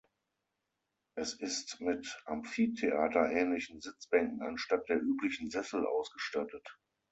Es ist mit Amphitheater-ähnlichen Sitzbänken anstatt der üblichen Sessel ausgestattet.